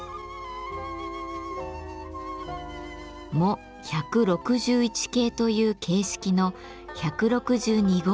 「モ１６１形」という形式の１６２号車です。